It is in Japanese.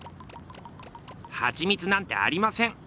ハチミツなんてありません。